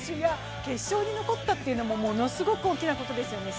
決勝に残ったのもものすごく大きなことですよね。